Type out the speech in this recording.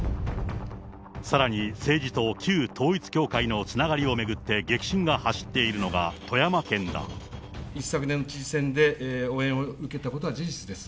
さらに政治と旧統一教会のつながりを巡って激震が走っている一昨年の知事選で、応援を受けたことは事実です。